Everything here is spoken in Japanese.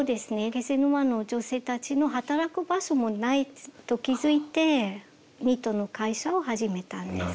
気仙沼の女性たちの働く場所もないと気付いてニットの会社を始めたんです。